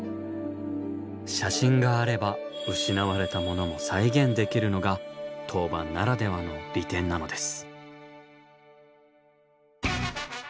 写真があれば失われたものも再現できるのが陶板ならではの利点なのです。